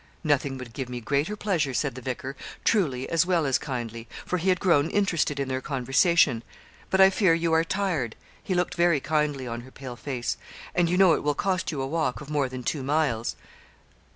'Nothing would give me greater pleasure,' said the vicar, truly as well as kindly, for he had grown interested in their conversation; 'but I fear you are tired' he looked very kindly on her pale face 'and you know it will cost you a walk of more than two miles.'